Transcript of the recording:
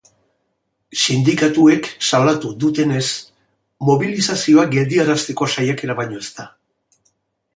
Sindikatuek salatu dutenez, mobilizazioa geldiarazteko saiakera baino ez da.